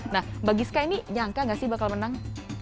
nah mbak giska ini nyangka gak sih bakal menang